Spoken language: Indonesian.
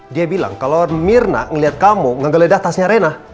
dia bilang kalo myrna ngeliat kamu ngegeledah tasnya rena